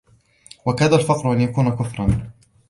وَكَادَ الْفَقْرُ أَنْ يَكُونَ كُفْرًا